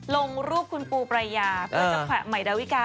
ลงรูปคุณปูปรายาเพื่อจะแขวะใหม่ดาวิกา